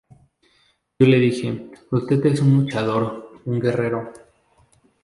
Yo le dije: Usted es un luchador, un guerrero.